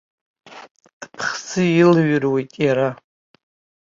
Аԥхӡы илыҩруеит иара.